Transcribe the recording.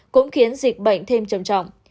cũng khiến dịch bệnh thêm trầm trọng